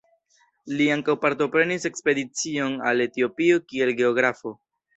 Li ankaŭ partoprenis ekspedicion al Etiopio kiel geografo.